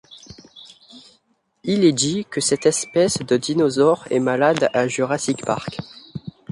Il est dit que cette espèce de dinosaure est malade à Jurassic Park.